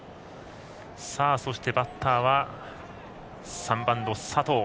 そしてバッターは３番の佐藤。